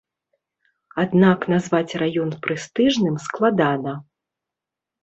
Аднак назваць раён прэстыжным складана.